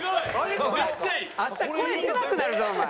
明日声出なくなるぞお前。